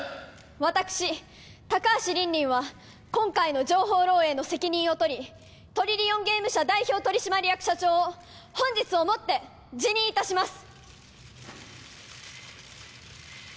私高橋凜々は今回の情報漏洩の責任を取りトリリオンゲーム社代表取締役社長を本日をもって辞任いたします